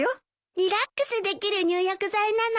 リラックスできる入浴剤なの。